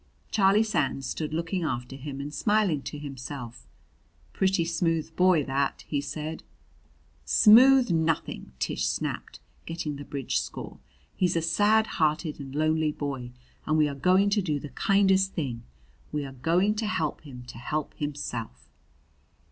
Charlie Sands stood looking after him and smiling to himself. "Pretty smooth boy, that!" he said. "Smooth nothing!" Tish snapped, getting the bridge score. "He's a sad hearted and lonely boy; and we are going to do the kindest thing we are going to help him to help himself."